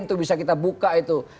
itu bisa kita buka itu